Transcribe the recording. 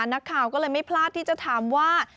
นักข่าวก็เลยไม่พลาดที่จะถามว่า